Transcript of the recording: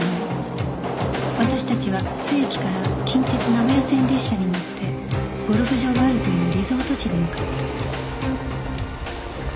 私たちは津駅から近鉄名古屋線列車に乗ってゴルフ場があるというリゾート地に向かった